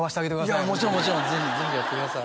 いやもちろんもちろんぜひぜひやってください